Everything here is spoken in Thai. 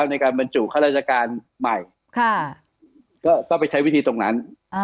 ในการบรรจุข้าราชการใหม่ก็ไปใช้วิธีตรงนั้น